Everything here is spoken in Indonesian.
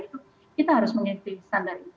itu kita harus mengikuti standar itu